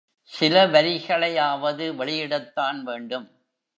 சில வரிகளையாவது வெளியிடத்தான் வேண்டும்.